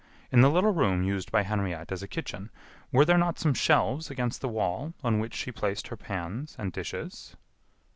In the little room used by Henriette as a kitchen, were there not some shelves against the wall on which she placed her pans and dishes?"